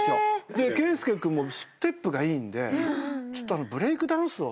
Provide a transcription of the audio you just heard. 圭佑君もステップがいいんでちょっとブレイクダンスを。